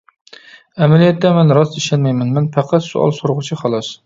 ئەمەلىيەتتە مەن راست ئىشەنمەيمەن، مەن پەقەت سوئال سورىغۇچى، خالاس.